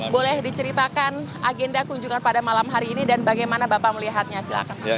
boleh diceritakan agenda kunjungan pada malam hari ini dan bagaimana bapak melihatnya silakan